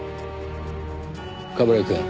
冠城くん